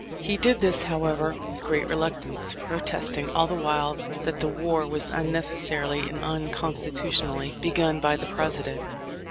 He did this, however, with great reluctance, protesting all the while that "the war was unnecessarily and unconstitutionally begun by the President."